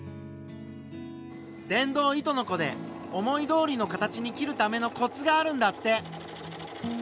電動糸のこで思いどおりの形に切るためのコツがあるんだって。